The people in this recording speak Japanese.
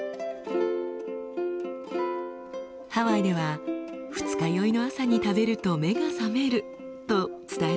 ハワイでは二日酔いの朝に食べると目が覚めると伝えられているそうです。